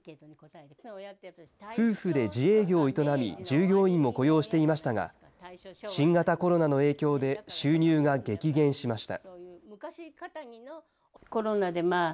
夫婦で自営業を営み、従業員も雇用していましたが、新型コロナの影響で収入が激減しました。